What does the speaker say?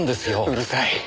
うるさい。